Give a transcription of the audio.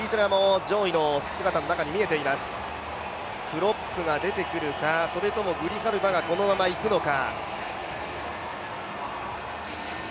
クロップが出てくるか、それともグリハルバがこのままいくのか。